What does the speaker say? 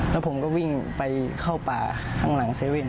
แล้วผมก็วิ่งไปเข้าป่าข้างหลัง๗๑